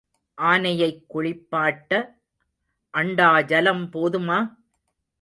ஆனையைக் குளிப்பாட்ட அண்டா ஜலம் போதுமா?